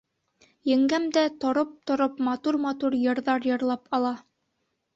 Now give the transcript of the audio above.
Еңгәм дә тороп-тороп матур-матур йырҙар йырлап ала.